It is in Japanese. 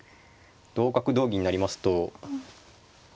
同角同銀になりますと。